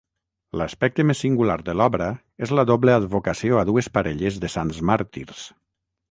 L'aspecte més singular de l'obra és la doble advocació a dues parelles de sants màrtirs.